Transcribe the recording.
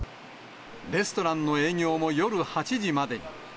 レストランの営業も夜８時までに。